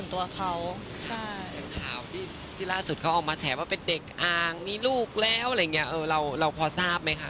ที่ล่าสุดเขาออกมาแฉว่าเป็นเด็กอางมีลูกแล้วอะไรอย่างนี้เราพอทราบไหมคะ